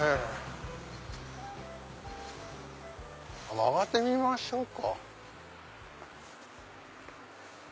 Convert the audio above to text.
曲がってみましょうか。